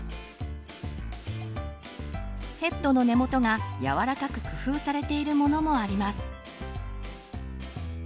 ヘッドの根元が柔らかく工夫されているものもあります。